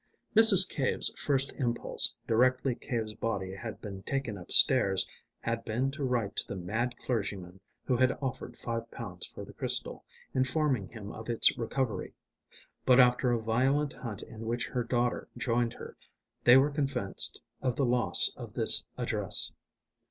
Mrs. Cave's first impulse, directly Cave's body had been taken upstairs, had been to write to the mad clergyman who had offered five pounds for the crystal, informing him of its recovery; but after a violent hunt in which her daughter joined her, they were convinced of the loss of his address.